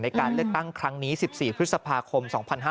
ในการเลือกตั้งครั้งนี้๑๔พฤษภาคม๒๕๕๙